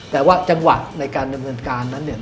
แต่ว่าจังหวะในการดำเนินการนั้นเนี่ย